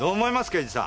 刑事さん。